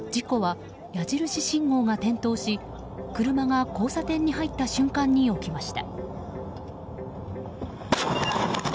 事故は矢印信号が点灯し車が交差点に入った瞬間に起きました。